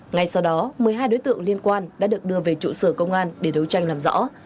ngay sau đó một mươi hai đối tượng liên quan đã được đưa về trụ sở công an để đấu tranh làm rõ